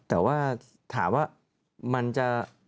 แต่ว่าถามว่ามันจะ